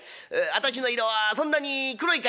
私の色はそんなに黒いかい？」。